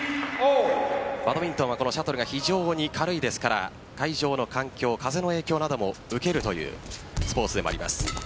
バドミントンは、このシャトルが非常に軽いですから会場の環境風の影響なども受けるというスポーツでもあります。